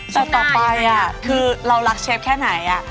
แต่ต่อไปคือเรารักเชฟแค่ไหน